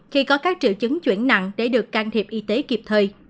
khi có các triệu chứng chuyển nặng để được can thiệp y tế kịp thời